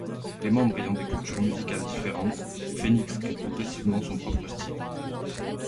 Les membres ayant des cultures musicales différentes, Phenix crée progressivement son propre style.